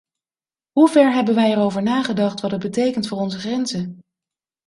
Hoever hebben wij erover nagedacht wat het betekent voor onze grenzen?